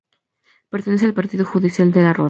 Pertenece al partido judicial de La Roda.